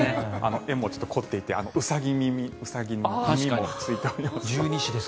絵も凝っていてウサギの耳もついております。